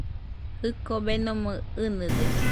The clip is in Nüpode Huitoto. Jɨko beno ɨnɨde.